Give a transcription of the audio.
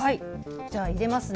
じゃあ、入れますね。